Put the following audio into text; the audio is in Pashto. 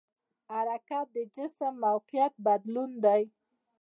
حرکت د جسم موقعیت بدلون دی.